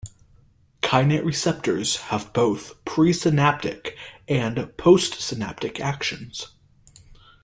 Kainate receptors have both presynaptic and postsynaptic actions.